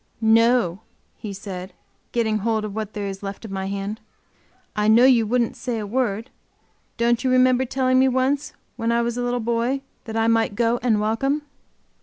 "No," he said, getting hold of what there is left of my hand. "I know you wouldn't say a word. Don't you remember telling me once when I was a little boy that I might go and welcome?"